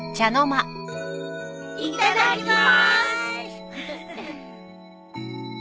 いただきます。